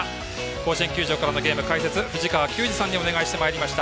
甲子園球場からのゲーム藤川球児さんにお願いしてまいりました。